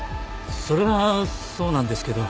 それはそうなんですけど。